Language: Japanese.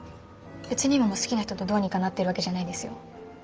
別に今も好きな人とどうにかなってるわけじゃないですよ。